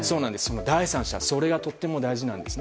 第三者、それがとても大事です。